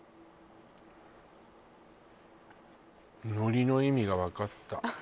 海苔の意味が分かった